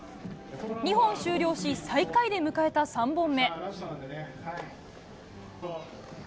２本終了し最下位で迎えた３本目。